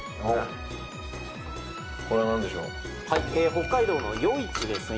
北海道の余市ですね。